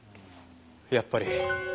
やっぱり。